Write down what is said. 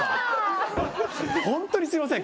ホントにすいません